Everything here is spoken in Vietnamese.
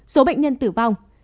số bệnh nhân tử vong